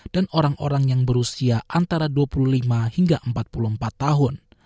dan orang orang yang berusia antara dua puluh lima hingga empat puluh empat tahun